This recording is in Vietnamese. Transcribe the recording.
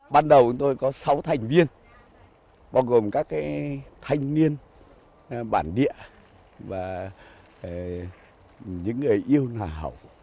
ban đầu tôi có sáu thành viên gồm các thanh niên bản địa và những người yêu nà hầu